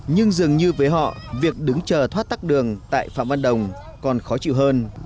nhưng dường như với họ việc đứng chờ thoát tắc đường tại phạm văn đồng còn khó chịu hơn